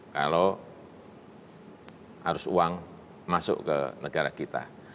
kalau harus uang masuk ke negara kita